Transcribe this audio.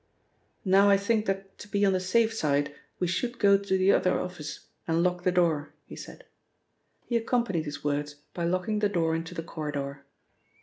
"Now I think that to be on the safe side we should go to the other office, and lock the door," he said. He accompanied his words by locking the door into the corridor.